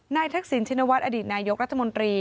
ทักษิณชินวัฒนอดีตนายกรัฐมนตรี